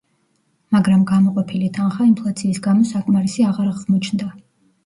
მაგრამ გამოყოფილი თანხა ინფლაციის გამო საკმარისი აღარ აღმოჩნდა.